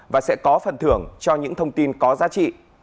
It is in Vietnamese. và sẽ có phần thưởng cho những thông tin có giá trị